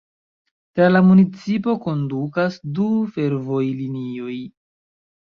Tra la municipo kondukas du fervojlinioj.